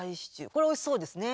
これおいしそうですね。